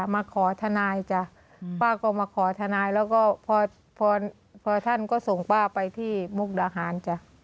มาขอทนายจ้ะป้าก็มาขอทนายแล้วก็พอท่านก็ส่งป้าไปที่มุกดาหารจ้ะ